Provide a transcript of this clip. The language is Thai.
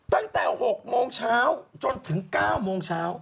ตั้งแต่๖โมงเช้าจนถึง๙โมงเช้า